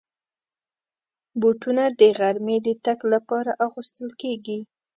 بوټونه د غرمې د تګ لپاره اغوستل کېږي.